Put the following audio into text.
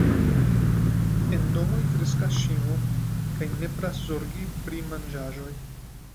En domoj kreskas ŝimo kaj nepras zorgi pri manĝaĵoj.